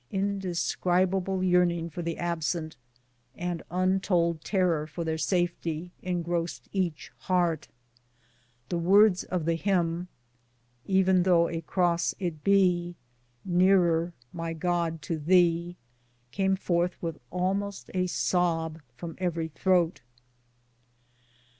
Indescribable yearning for the absent, and un told terror for their safety, engrossed each heart. The words of the hymn, E'eii thougli a cross it be, Nearer, my God, to Thee," came forth with almost a sob from every throat.